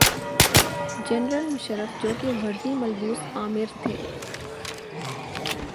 General Musharraf جوکہ وردی ملبوس آمر تھے۔